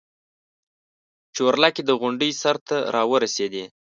چورلکې د غونډۍ سر ته راورسېدې.